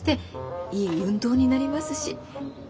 いい運動になりますし。